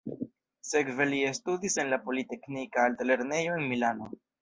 Sekve li studis en la politeknika altlernejo en Milano.